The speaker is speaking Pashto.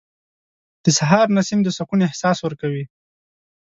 • د سهار نسیم د سکون احساس ورکوي.